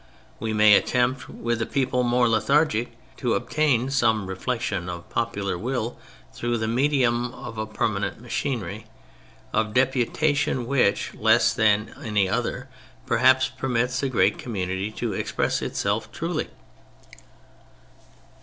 We may attempt with a people more lethargic to obtain some reflection of popular will through the medium of a permanent machinery of de putation which, less than any other, perhaps, permits a great community to express itself truly.